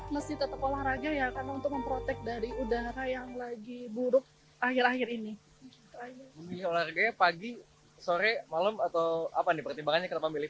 masih tetap olahraga ya karena untuk memprotek dari udara yang lagi buruk akhir akhir ini